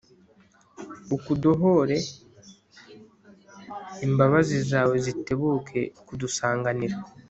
ukuduhore imbabazi zawe zitebuke kudusanganira